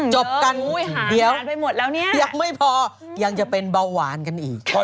จบกันเดี๋ยวยังไม่พอยังจะเป็นเบาหวานกันอีก